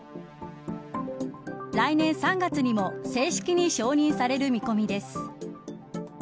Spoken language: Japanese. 来年３月にも正式に承認される見込みです。